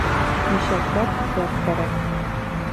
Ишәккә күҫәк кәрәк.